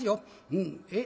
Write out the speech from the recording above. うんえっ？